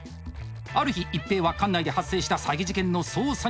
ある日一平は管内で発生した詐欺事件の捜査に向かいます。